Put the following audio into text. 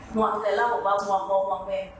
หวังแต่เล่าบอกว่าหวังหวังหวังแม่